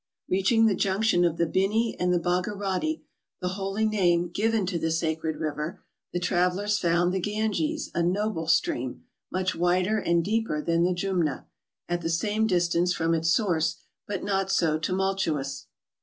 Reaching the junction of the Bini and the Bhagirati, the holy 230 MOUNTAIN ADVENTURES. name given to the sacred river, the travellers found the Ganges a noble stream, much wider and deeper than the Jumna, at the same distance from its source, but not so tumultuous.